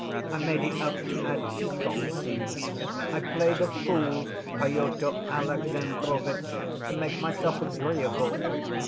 I made it up to add piquancy. I play the fool, Pyotr Alexandrovitch, to make myself agreeable.